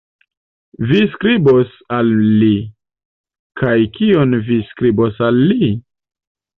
Vi skribos al li! Kaj kion vi skribos al li?